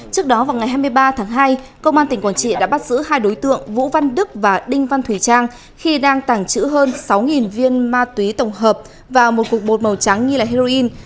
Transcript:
ba tháng hai công an tỉnh quảng trị đã bắt giữ hai đối tượng vũ văn đức và đinh văn thủy trang khi đang tàng trữ hơn sáu viên ma túy tổng hợp và một cục bột màu trắng như là heroin